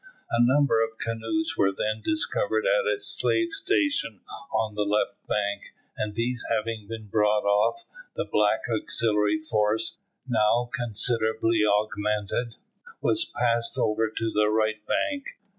A number of canoes were then discovered at a slave station on the left bank, and these having been brought off, the black auxiliary force, now considerably augmented, was passed over to the right bank.